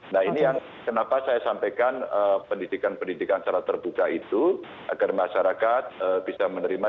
nah ini yang kenapa saya sampaikan pendidikan pendidikan secara terbuka itu agar masyarakat bisa menerima